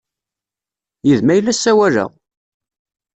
Yid-m ay la ssawaleɣ!